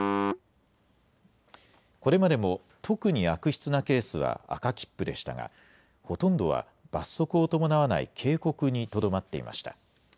これまでも、特に悪質なケースは赤切符でしたが、ほとんどは罰則を伴わない、警告にとどまっていました。